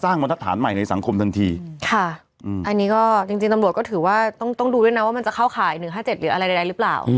อันนี้จริงตำรวจก็ถือว่าต้องดูด้วยนะว่ามันจะเข้าข่าย๑๕๗หรืออะไรใดหรือเปล่า